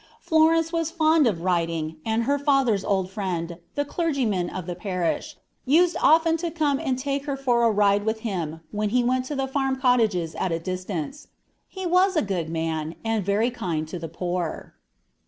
Florence was fond of riding, and her father's old friend, the clergyman of the parish, used often to come and take her for a ride with him when he went to the farm cottages at a distance. He was a good man and very kind to the poor.